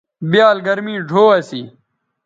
بیال گرمی ڙھو اسی